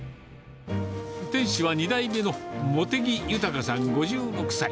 店主は２代目の茂木豊さん５６歳。